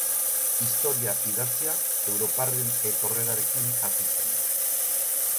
Historia idatzia europarren etorrerarekin hasi zen.